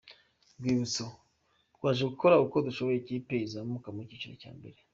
Rwibutso: Twaje gukora uko dushoboye ikipe izamuka mu cyiciro cya mbere.